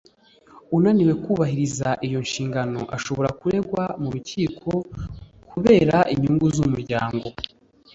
unaniwe kubahiriza iyo nshingano ashobora kuregwa mu rukiko ku bera inyungu z'umuryango